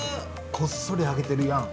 こっそり上げてるやん。